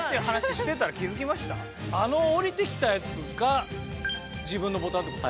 あの降りてきたやつが自分のボタンてこと？